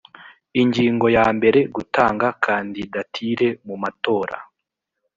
ingingo yambere gutanga kandidatire mumatora